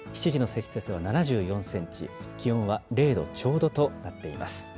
７時の積雪は７４センチ、気温は０度ちょうどとなっています。